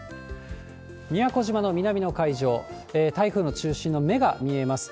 宮古島の南の海上、台風の中心の目が見えます。